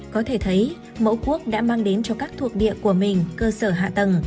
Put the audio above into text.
có thể thấy mẫu cuốc đã mang đến cho các thuộc địa của mình cơ sở hạ tầng